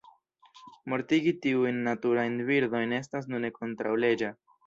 Mortigi tiujn naturajn birdojn estas nune kontraŭleĝa.